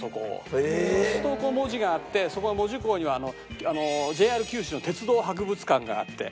するとこう門司があってそこは門司港にはＪＲ九州の鉄道博物館があって。